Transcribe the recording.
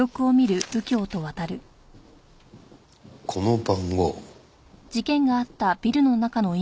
この番号。